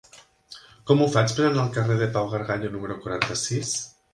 Com ho faig per anar al carrer de Pau Gargallo número quaranta-sis?